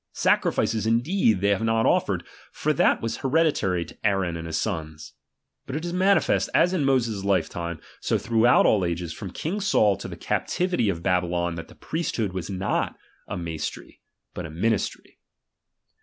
Sacrifices in deed they have not offered ; for that was hereditary to Aaron and his sons. But it is manifest, as in Moses' lifetime, so throughout all ages, from king Saul to the captivity of Babylon, that the priest hood was not a maistry, but a ministry.